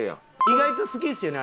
意外と好きっすよね